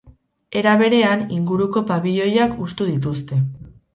Era berean, inguruko pabiloiak hustu dituzte.